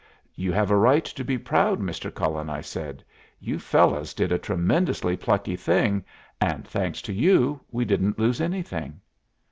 "You have a right to be proud, Mr. Cullen," I said. "You fellows did a tremendously plucky thing, and, thanks to you, we didn't lose anything."